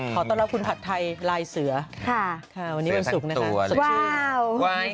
ขอต้อนรับคุณผัดทัยลายเสือวันนี้มันสุกนะคะ